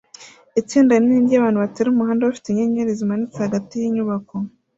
Itsinda rinini ryabantu batera umuhanda bafite inyenyeri zimanitse hagati yinyubako